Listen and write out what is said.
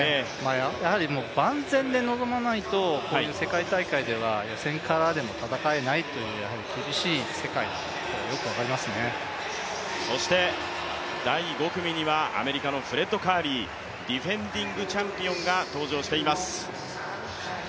万全で臨まないとこういう世界大会は予選からでも戦えないという、第５組にはアメリカのフレッド・カーリーディフェンディングチャンピオンが登場しています。